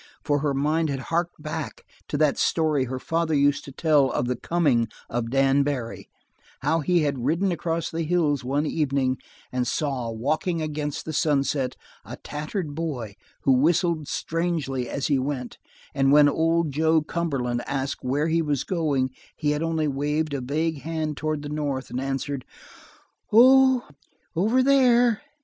For her mind had harked back to that story her father used to tell of the coming of Dan Barry; how he had ridden across the hills one evening and saw, walking against the sunset, a tattered boy who whistled strangely as he went, and when old Joe Cumberland asked where he was going he had only waved a vague hand toward the north and answered, "Oh over there.